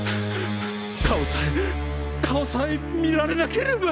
顔さえ顔さえ見られなければ。